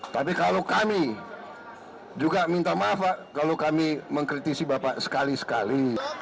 tapi kalau kami juga minta maaf pak kalau kami mengkritisi bapak sekali sekali